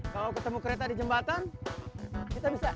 kalau ketemu kereta di jembatan kita bisa